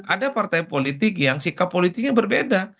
ada partai politik yang sikap politiknya berbeda